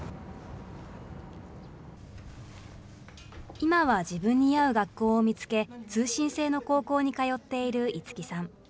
今は自分に合う学校を見つけ、通信制の高校に通っている樹さん。